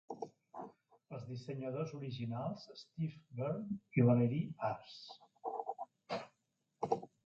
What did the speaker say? Els dissenyadors originals Steve Byrne i Valerie arç.